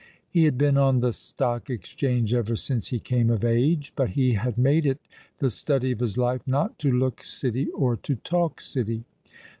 He had been on the Stock Exchange ever since he came of age ; but he had made it the study of his life not to look city or to talk city.